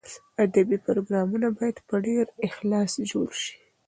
ادبي پروګرامونه باید په ډېر اخلاص جوړ شي.